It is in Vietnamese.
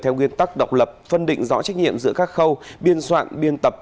theo nguyên tắc độc lập phân định rõ trách nhiệm giữa các khâu biên soạn biên tập